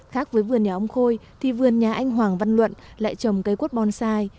khác với vườn nhà ông khôi thì vườn nhà anh hoàng văn luận lại trồng cây quất bonsai